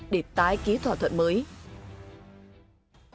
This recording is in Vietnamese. để tái ký thỏa thuận mới